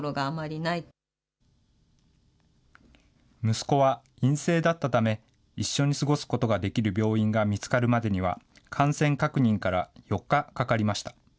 息子は陰性だったため、一緒に過ごすことができる病院が見つかるまでには、感染確認から４日かかりました。